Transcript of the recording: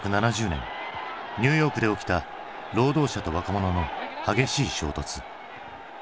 １９７０年ニューヨークで起きた労働者と若者の激しい衝突。